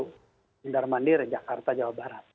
bikin darah mandir jakarta jawa barat